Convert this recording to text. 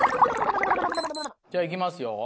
じゃあいきますよ。